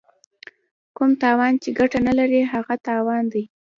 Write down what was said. کوم تاوان چې ګټه نه لري هغه تاوان دی.